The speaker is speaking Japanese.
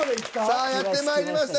さあやってまいりました